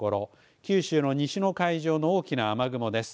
九州の西の海上の大きな雨雲です。